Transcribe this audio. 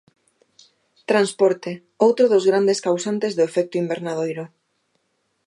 Transporte, outro dos grandes causantes do efecto invernadoiro.